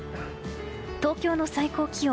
東京の最高気温。